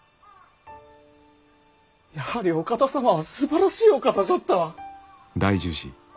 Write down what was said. やはりお方様はすばらしいお方じゃったわ！